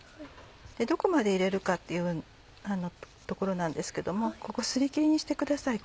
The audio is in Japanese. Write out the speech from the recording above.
どこまで入れるかっていうところなんですけどもここすりきりにしてください